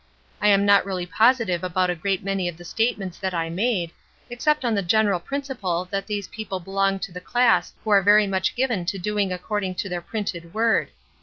I am not really positive about a great many of the statements that I made, except on the general principle that these people belong to the class who are very much given to doing according to their printed word.